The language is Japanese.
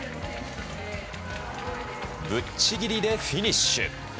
ぶっちぎりでフィニッシュ。